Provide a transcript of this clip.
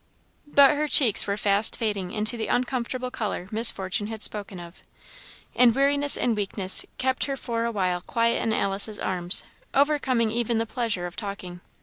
But her cheeks were fast fading into the uncomfortable colour Miss Fortune had spoken of; and weariness and weakness kept her for awhile quiet in Alice's arms, overcoming even the pleasure of talking.